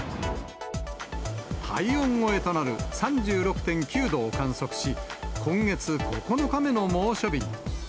体温超えとなる３６．９度を観測し、今月９日目の猛暑日に。